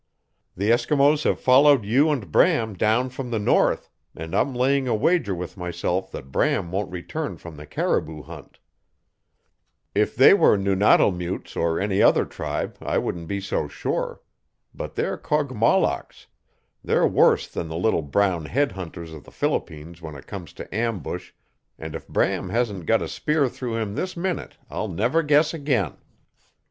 The Eskimos have followed you and Bram down from the north, and I'm laying a wager with myself that Bram won't return from the caribou hunt. If they were Nunatalmutes or any other tribe I wouldn't be so sure. But they're Kogmollocks. They're worse than the little brown head hunters of the Philippines when it comes to ambush, and if Bram hasn't got a spear through him this minute I'll never guess again!"